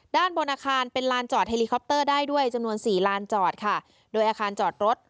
ด้านบนอาคารเป็นลานจอดเฮลิคอปเตอร์ได้ด้วยจำนวนสี่ลานจอดค่ะโดยอาคารจอดรถ